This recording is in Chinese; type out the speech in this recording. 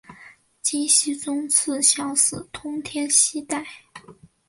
金熙宗赐萧肄通天犀带。